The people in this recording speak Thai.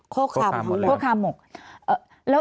โค้กคามหมดแล้ว